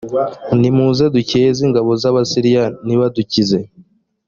nimuze dukeze ingabo z’abasiriya nibadukiza